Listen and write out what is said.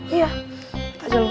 iya tak jauh